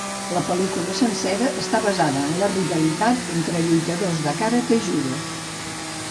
La pel·lícula sencera està basada en la rivalitat entre lluitadors de karate i judo.